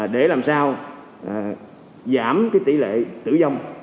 để làm sao giảm tỷ lệ tử dông